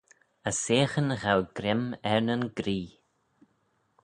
As seaghyn ghow greim er nyn gree.